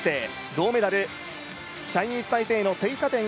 銅メダル、チャイニーズ・タイペイの丁華恬